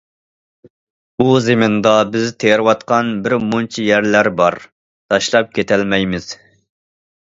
بۇ زېمىندا بىز تېرىۋاتقان بىرمۇنچە يەرلەر بار، تاشلاپ كېتەلمەيمىز.